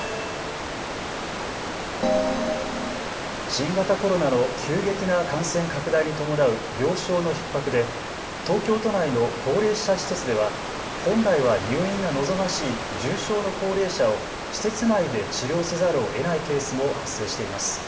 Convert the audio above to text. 新型コロナの急激な感染拡大に伴う病床のひっ迫で東京都内の高齢者施設では本来は入院が望ましい重症の高齢者を施設内で治療せざるをえないケースも発生しています。